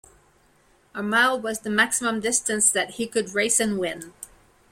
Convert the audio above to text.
A mile was the maximum distance that he could race and win.